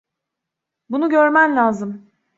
Bunu görmen lazım.